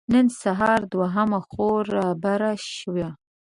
نن سهار دوهمه خور رابره شوه.